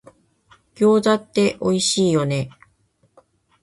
餃子っておいしいよね